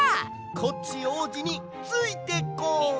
コッチおうじについてこい！